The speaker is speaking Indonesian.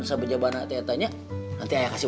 sebeja barang teta nya nanti ayah kasih